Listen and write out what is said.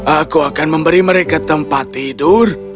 aku akan memberi mereka tempat tidur